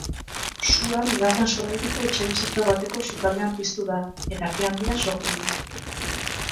Sua bigarren solairuko etxebizitza bateko sukaldean piztu da eta ke handia sortu du.